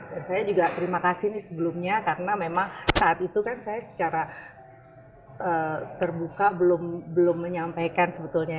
dan saya juga terima kasih nih sebelumnya karena memang saat itu kan saya secara terbuka belum menyampaikan sebetulnya